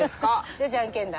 じゃあじゃんけんだ。